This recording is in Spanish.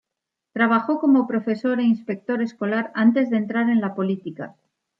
Trabajó como profesor e inspector escolar antes de entrar en la política.